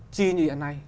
chi như hiện nay